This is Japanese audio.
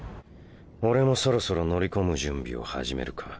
俺もそろそろ乗り込む準備を始めるか。